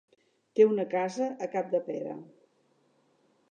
Té una casa a Capdepera.